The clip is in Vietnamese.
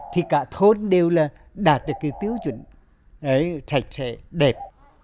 thì cả thôn đều đạt được tiêu chuẩn sạch sạch đẹp